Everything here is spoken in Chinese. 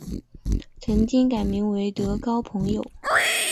曾经改名德高朋友。